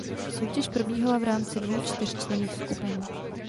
Soutěž probíhala v rámci dvou čtyřčlenných skupin.